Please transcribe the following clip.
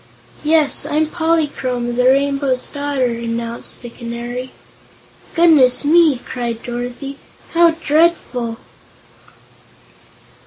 "Yes; I'm Polychrome, the Rainbow's Daughter," announced the Canary. "Goodness me!" cried Dorothy. "How dreadful."